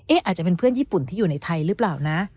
อาจจะเป็นเพื่อนญี่ปุ่นที่อยู่ในไทยหรือเปล่านะ